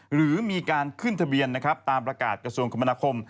หรือมีการขึ้นทะเบียนนะครับตามประกาศกระทรวงคมนาคม